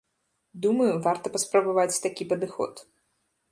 Думаю, варта паспрабаваць такі падыход.